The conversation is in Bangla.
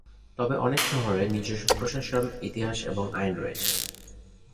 তবে অনেক শহরের নিজস্ব প্রশাসন, ইতিহাস এবং আইন রয়েছে।